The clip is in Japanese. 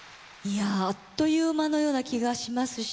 あっという間のような気がしますし。